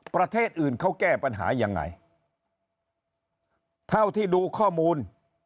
ประเทศอื่นเขาแก้ปัญหายังไงเท่าที่ดูข้อมูล